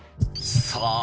さあ